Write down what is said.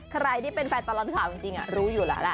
ใครที่เป็นแฟนตลอดข่าวจริงรู้อยู่แล้วแหละ